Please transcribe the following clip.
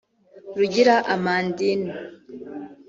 Rugira Amandin